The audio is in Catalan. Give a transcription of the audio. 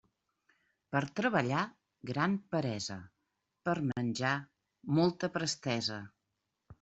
Per treballar, gran peresa; per menjar, molta prestesa.